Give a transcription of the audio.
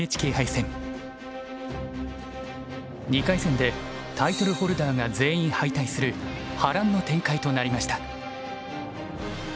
２回戦でタイトルホルダーが全員敗退する波乱の展開となりました。